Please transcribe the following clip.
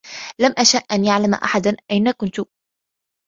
لم أشأ أن يعلم أحدا أين كنت.